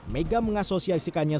mega mengasosiasikannya seperti orang lain